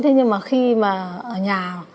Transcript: thế nhưng mà khi mà ở nhà